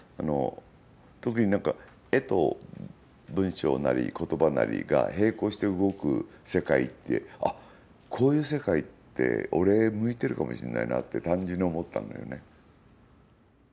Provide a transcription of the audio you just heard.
特に絵と、文章なり言葉なりが並行して動く世界ってあっ、こういう世界って俺、向いてるかもしれないなって単純に思ったんだよね。